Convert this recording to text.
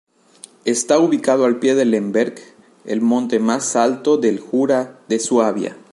Está ubicado al pie del Lemberg, el monte más alto del Jura de Suabia.